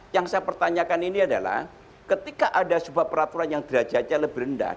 yang saya pertanyakan ini adalah ketika ada sebuah peraturan yang derajatnya lebih rendah